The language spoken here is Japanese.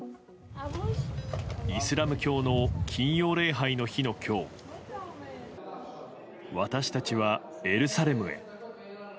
イスラム教の金曜礼拝の日の今日私たちは、エルサレムへ。